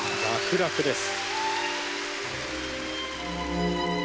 楽々です。